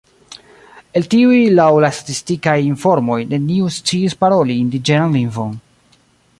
El tiuj laŭ la statistikaj informoj neniu sciis paroli indiĝenan lingvon.